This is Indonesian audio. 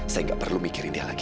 saya ga perlu mikirin dia lagi